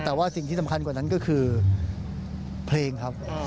แต่ว่าสิ่งที่สำคัญกว่านั้นก็คือเพลงครับ